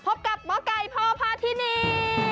พบกับหมอไก่พพภาธินี